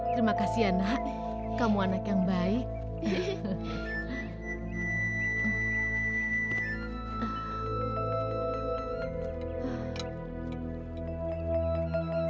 terima kasih ya nak kamu anak yang baik